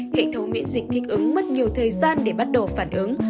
hệ thống miễn dịch thích ứng mất nhiều thời gian để bắt đầu phản ứng